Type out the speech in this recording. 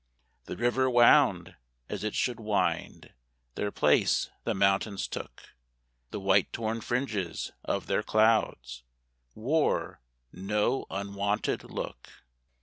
The river wound as it should wind; Their place the mountains took; The white torn fringes of their clouds Wore no unwonted look.